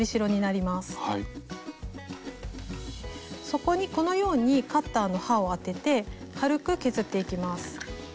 そこにこのようにカッターの刃を当てて軽く削っていきます。